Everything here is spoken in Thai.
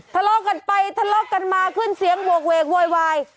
ทะเลาะกันไปทะเลาะกันมาขึ้นเสียงโหกเวกโวยวาย